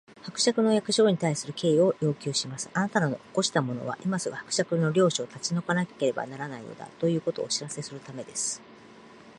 「伯爵の役所に対する敬意を要求します！あなたを起こしたのは、今すぐ伯爵の領地を立ち退かなければならないのだ、ということをお知らせするためです」